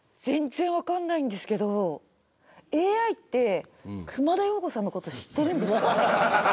全然分かんないんですけどＡＩって熊田曜子さんのこと知ってるんですか？